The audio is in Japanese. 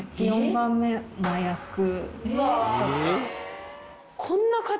４番目麻薬とか。